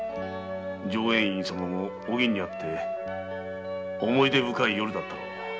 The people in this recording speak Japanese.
浄円院様もお銀に会って思い出深い夜だったろう。